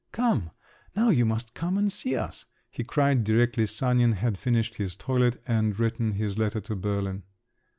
"Come! now you must come and see us!" he cried, directly Sanin had finished his toilet and written his letter to Berlin.